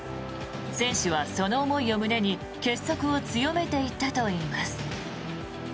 選手はその思いを胸に結束を強めていったといいます。